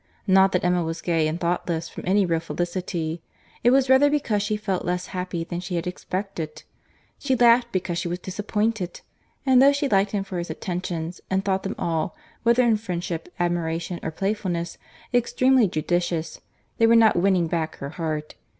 Not that Emma was gay and thoughtless from any real felicity; it was rather because she felt less happy than she had expected. She laughed because she was disappointed; and though she liked him for his attentions, and thought them all, whether in friendship, admiration, or playfulness, extremely judicious, they were not winning back her heart.